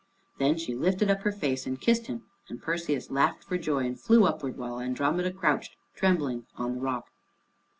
Then she lifted up her face and kissed him, and Perseus laughed for joy and flew upward, while Andromeda crouched trembling on the rock.